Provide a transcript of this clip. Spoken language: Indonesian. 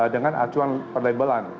dengan acuan perlebelan